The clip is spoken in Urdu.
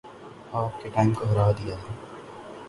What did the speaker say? آپ نے ٹام کو ہرا دیا ہے۔